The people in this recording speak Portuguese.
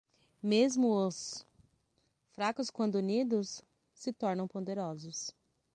Mesmo os? fracos quando unidos? se tornam poderosos.